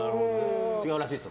違うらしいですよ。